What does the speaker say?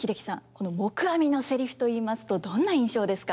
この黙阿弥のセリフといいますとどんな印象ですか？